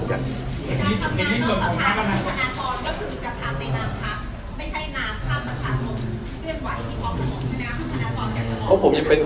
ไม่ใช่นางข้ามประชาชนเรื่องไหวที่พร้อมของผมใช่มั้ยครับ